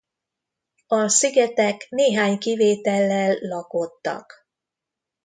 A szigetek néhány kivétellel lakottak.